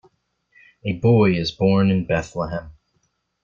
A boy is born in Bethlehem.